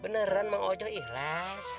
beneran mang ojo ikhlas